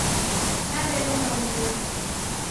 Naw'elomba Mlungu.